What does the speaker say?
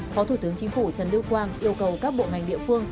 phó thủ tướng chính phủ trần lưu quang yêu cầu các bộ ngành địa phương